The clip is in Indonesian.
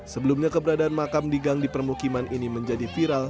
sebelumnya keberadaan makam digang di permukiman ini menjadi viral